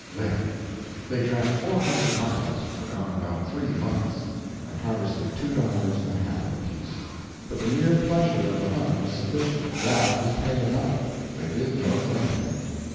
There. They tramped 400 miles, were gone about three months, and harvested two dollars and a half apiece. But the mere pleasure of the hunt was sufficient. That was pay enough. They did no grumbling.